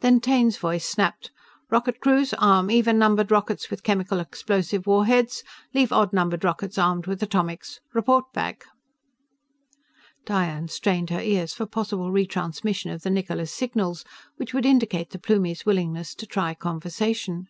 Then Taine's voice snapped: "_Rocket crews, arm even numbered rockets with chemical explosive warheads. Leave odd numbered rockets armed with atomics. Report back!_" Diane strained her ears for possible re transmission of the Niccola's signals, which would indicate the Plumie's willingness to try conversation.